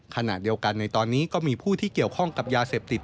ขณะเดียวกันในตอนนี้ก็มีผู้ที่เกี่ยวข้องกับยาเสพติด